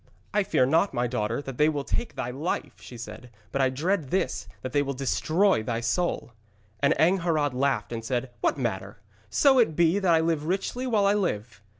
'I fear not, my daughter, that they will take thy life,' she said, 'but I dread this that they will destroy thy soul!' And Angharad laughed and said: 'What matter, so it be that I live richly while I live!'